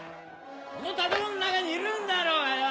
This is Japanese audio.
この建物の中にいるんだろうがよ！